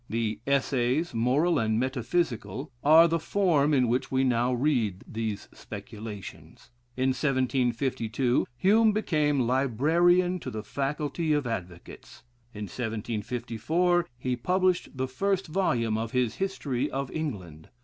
The "Essays, Moral and Metaphysical," are the form in which we now read these speculations. In 1752, Hume became librarian to the Faculty of Advocates. In 1754 he published the first volume of his "History of England."